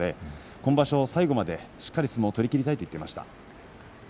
今場所は最後までしっかり相撲を取りきりたいと話していました。